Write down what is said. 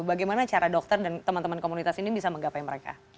bagaimana cara dokter dan teman teman komunitas ini bisa menggapai mereka